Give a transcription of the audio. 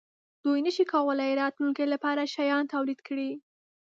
دوی نشوای کولای راتلونکې لپاره شیان تولید کړي.